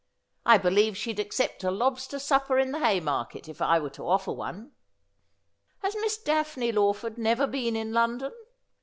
I believe she'd accept a lobster supper in the Haymarket if I were to offer one.' ' Has Miss Daphne Lawf ord never been in London